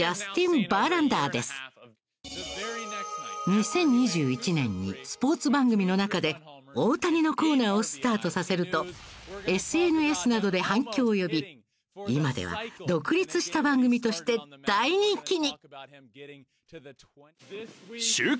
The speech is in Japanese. ２０２１年にスポーツ番組の中で大谷のコーナーをスタートさせるとＳＮＳなどで反響を呼び今では独立した番組として大人気に！